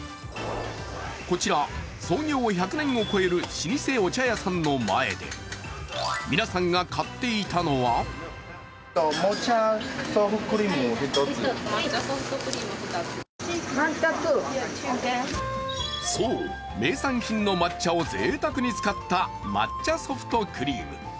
こちら、創業１００年を超える老舗お茶屋さんの前で皆さんが買っていたのはそう、名産品の抹茶をぜいたくに使った抹茶ソフトクリーム。